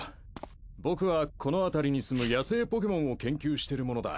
僕はこのあたりにすむ野生ポケモンを研究してる者だ。